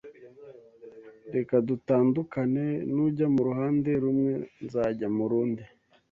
Reka dutandukane. Nujya mu ruhande rumwe nzajya mu rundi